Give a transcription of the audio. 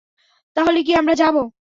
তাহলে কী আমরা যাবো?